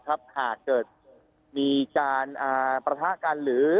ถ้าเกิดมีการประทะการ